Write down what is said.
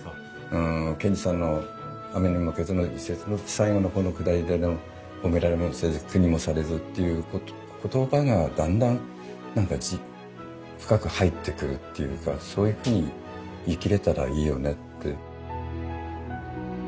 うん賢治さんの「雨ニモマケズ」の一節の最後の方のくだりでの「ホメラレモセズクニモサレズ」っていう言葉がだんだん何か深く入ってくるっていうかそういうふうに生きれたらいいよねって。